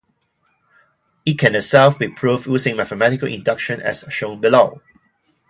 It can itself be proved using mathematical induction, as shown below.